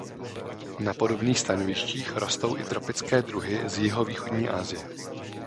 Na podobných stanovištích rostou i tropické druhy z jihovýchodní Asie.